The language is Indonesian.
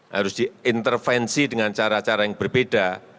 harus diintervensi dengan cara cara yang berbeda